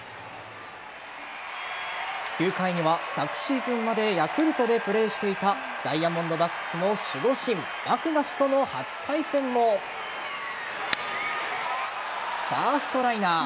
９回には昨シーズンまでヤクルトでプレーしていたダイヤモンドバックスの守護神マクガフとの初対戦もファーストライナー。